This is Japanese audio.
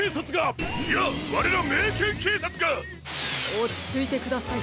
おちついてください。